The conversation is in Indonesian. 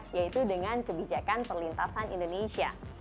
yaitu dengan kebijakan perlintasan indonesia